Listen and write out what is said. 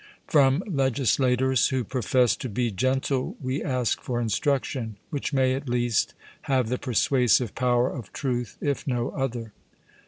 From legislators who profess to be gentle we ask for instruction, which may, at least, have the persuasive power of truth, if no other.'